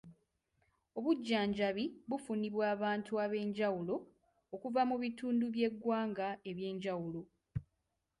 Obujjanjabi bufunibwa abantu ab'enjawulo okuva mu bitundu by'egwanga eby'enjawulo.